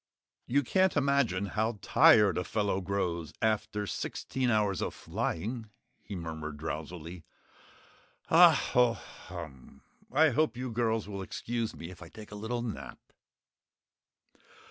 "You can't imagine how tired a fellow grows after sixteen hours of flying," he murmured drowsily. "Hah, hoh, HUM! I hope you girls will excuse me if I take a little nap?"